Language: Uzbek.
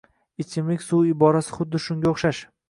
Ichimlik suv iborasi xuddi shunga oʻxshash